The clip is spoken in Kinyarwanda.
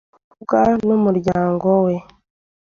umukobwa n’umuryango we